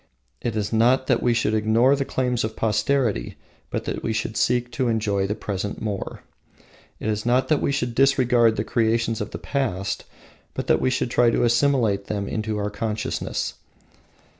It is not that we should ignore the claims of posterity, but that we should seek to enjoy the present more. It is not that we should disregard the creations of the past, but that we should try to assimilate them into our consciousness.